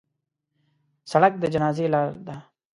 سړک د جنازې لار ده.